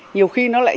nhiều khi nó lại